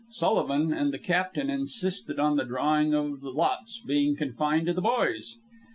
Sullivan and the captain insisted on the drawing of lots being confined to the boys.